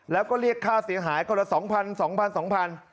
แล้วก็เรียกค่าเสียหายก็ละสองพันสองพันสองพัน